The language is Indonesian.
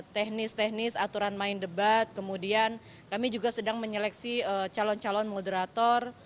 teknis teknis aturan main debat kemudian kami juga sedang menyeleksi calon calon moderator